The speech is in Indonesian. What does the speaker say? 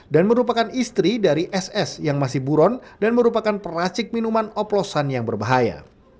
dan merupakan istri dari ss yang masih buron dan merupakan peracik minuman oplosan yang berbahaya